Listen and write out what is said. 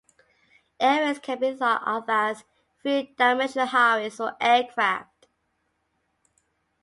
Airways can be thought of as three-dimensional highways for aircraft.